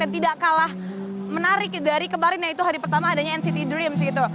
yang tidak kalah menarik dari kemarin yaitu hari pertama adanya nct dreams gitu